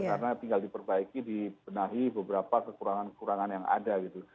karena tinggal diperbaiki dibenahi beberapa kekurangan kekurangan yang ada gitu